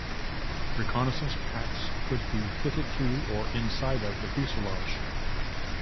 Reconnaissance packs could be fitted to, or inside of, the fuselage.